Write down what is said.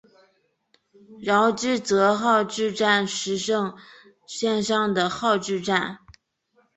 泷之泽号志站石胜线上的号志站。